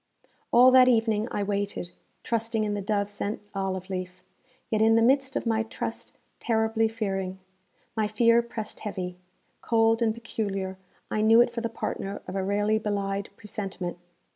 All that evening I waited, trusting in the dove sent olive leaf, yet in the midst of my trust terribly fearing. My fear pressed heavy. Cold and peculiar, I knew it for the partner of a rarely belied presentiment.